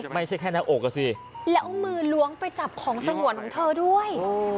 แล้วเอามือล้วงไปจับของสะเขวนของเธอด้วย